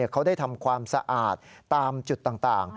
เขาได้ทำความสะอาดตามจุดต่าง